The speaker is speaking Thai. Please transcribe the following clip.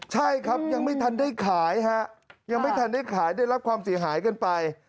ใช่ครับยังไม่ทันได้ขายฮะยังไม่ทันได้ขายได้รับความเสียหายกันไป